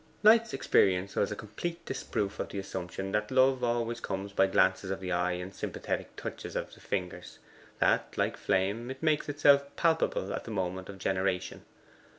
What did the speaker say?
Knight's experience was a complete disproof of the assumption that love always comes by glances of the eye and sympathetic touches of the fingers: that, like flame, it makes itself palpable at the moment of generation.